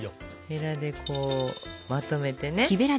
へらでこうまとめてね。